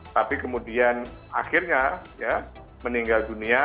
tapi kemudian akhirnya meninggal dunia